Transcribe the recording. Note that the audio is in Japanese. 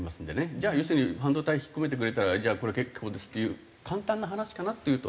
じゃあ要するに半導体引っ込めてくれたらじゃあこれ結構ですっていう簡単な話かなっていうとね